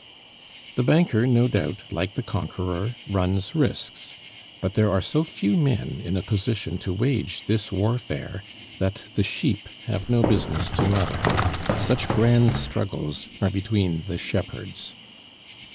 The banker, no doubt, like the conqueror, runs risks; but there are so few men in a position to wage this warfare, that the sheep have no business to meddle. Such grand struggles are between the shepherds.